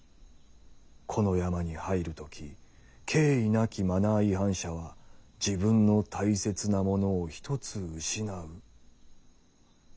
「この山に入る時敬意なきマナー違反者は自分の大切なものを一つ失ふ」。